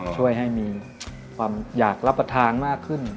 ช่วยให้มีความอยากรับประทานมากขึ้น